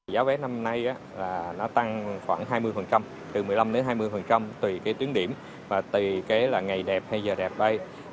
giá vé năm nay tăng khoảng hai mươi từ một mươi năm hai mươi tùy tướng điểm và tùy ngày đẹp hay giờ đẹp bay